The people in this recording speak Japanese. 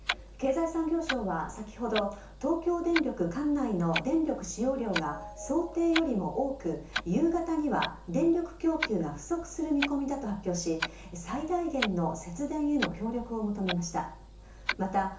経済産業省は先ほど、東京電力管内の電力使用量が想定よりも多く、夕方には電力供給が不足する見込みだと発表し、最大限の節電への協力を求めました。